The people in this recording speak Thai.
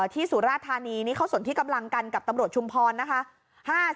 สุราธานีนี่เขาสนที่กำลังกันกับตำรวจชุมพรนะคะ